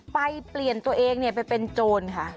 เปลี่ยนตัวเองไปเป็นโจรค่ะ